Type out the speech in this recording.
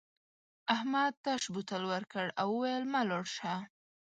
احمد تش بوتل ورکړ او وویل مه لاړ شه.